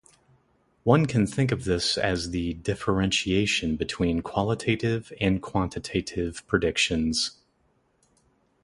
One can think of this as the differentiation between qualitative and quantitative predictions.